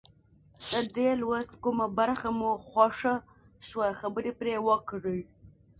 د دې لوست کومه برخه مو خوښه شوه خبرې پرې وکړئ.